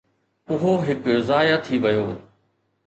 اهو هڪ ضايع ٿي ويو.